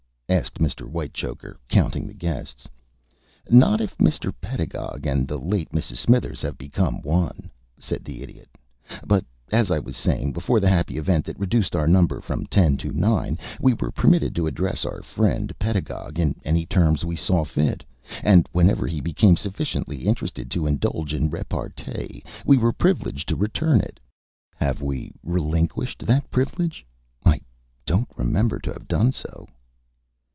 asked Mr. Whitechoker, counting the guests. "Not if Mr. Pedagog and the late Mrs. Smithers have become one," said the Idiot. "But, as I was saying, before the happy event that reduced our number from ten to nine we were permitted to address our friend Pedagog in any terms we saw fit, and whenever he became sufficiently interested to indulge in repartee we were privileged to return it. Have we relinquished that privilege? I don't remember to have done so."